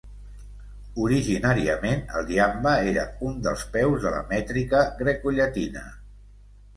Originàriament, el iambe era un dels peus de la mètrica grecollatina.